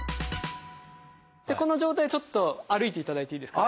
この状態でちょっと歩いていただいていいですか？